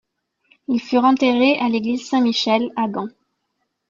Ils furent enterrés à l'église Saint-Michel à Gand.